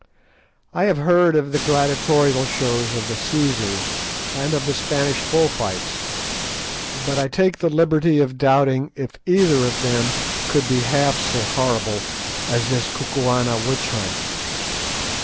I have heard of the gladiatorial shows of the Cæsars, and of the Spanish bull fights, but I take the liberty of doubting if either of them could be half so horrible as this Kukuana witch hunt.